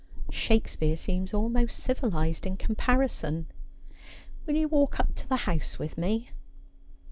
Shakespeare seems almost civilised in comparison. Will you walk up to the house with me